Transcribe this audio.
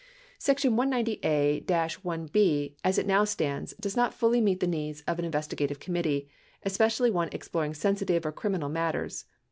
Section 190a l(b), as it now stands, does not fully meet the needs of an investigative committee — especially one exploring sensitive or criminal matters.